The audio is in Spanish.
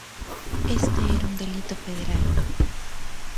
Este era un delito federal.